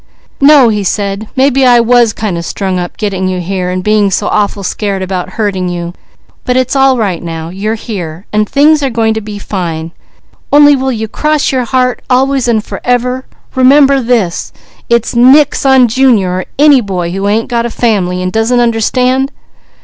"No!" he said. "Maybe I was kind of strung up, getting you here and being so awful scared about hurting you; but it's all right now. You are here, and things are going to be fine, only, will you, cross your heart, _always and forever remember this: it's nix on Junior, or any boy, who ain't got a family, and doesn't understand?